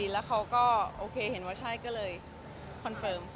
แล้วเขาก็โอเคเห็นว่าใช่ก็เลยคอนเฟิร์ม